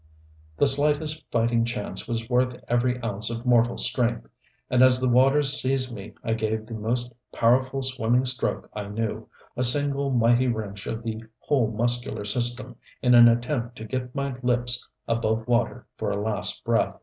The slightest fighting chance was worth every ounce of mortal strength. And as the waters seized me I gave the most powerful swimming stroke I knew, a single, mighty wrench of the whole muscular system, in an attempt to get my lips above water for a last breath.